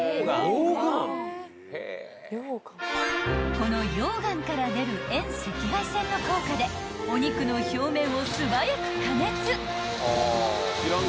［この溶岩から出る遠赤外線の効果でお肉の表面を素早く加熱］